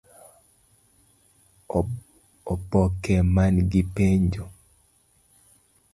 Oboke man gi penjo: